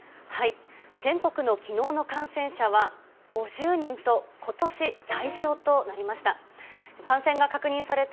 全国のきのうの感染者は５０人と、ことし最少となりました。